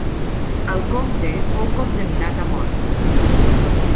El comte fou condemnat a mort.